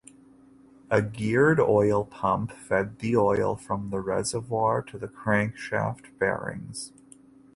A geared oil pump fed the oil from the reservoir to the crankshaft bearings.